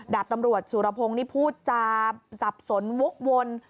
ดาบตำรวจสุรพงศ์นี่พูดจาสับสนวกวน